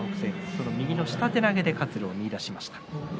その右の下手投げで活路を見いだしました。